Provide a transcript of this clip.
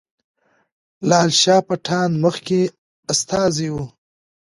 لال شاه پټان مخکې استازی وو.